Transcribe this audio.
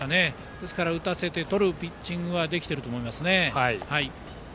ですから打たせてとるピッチングはできていると思います。